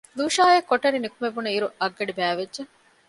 ލޫޝާއަށް ކޮޓަރިން ނުކުމެވުނު އިރު އަށްގަޑި ބައިވެއްޖެ